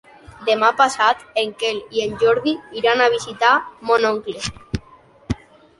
Demà passat en Quel i en Jordi iran a visitar mon oncle.